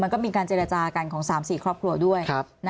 ก็มีการเจรจากันของ๓๔ครอบครัวด้วย